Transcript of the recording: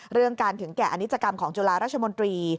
เรื่องการถึงแก่อนิจกรรมของจุฬาราชมนตรี